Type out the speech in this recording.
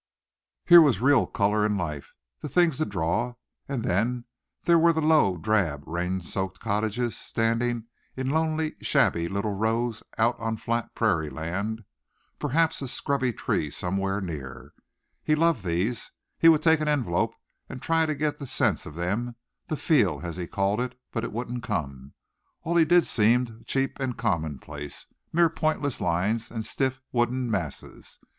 Here was real color and life the thing to draw; and then there were the low, drab, rain soaked cottages standing in lonely, shabby little rows out on flat prairie land, perhaps a scrubby tree somewhere near. He loved these. He would take an envelope and try to get the sense of them the feel, as he called it but it wouldn't come. All he did seemed cheap and commonplace, mere pointless lines and stiff wooden masses.